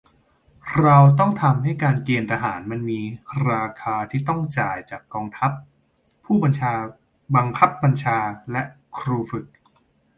เราต้องทำให้การเกณฑ์ทหารมันมี 'ราคา' ที่ต้องจ่าย จากกองทัพ ผู้บังคับบัญชาและครูฝึก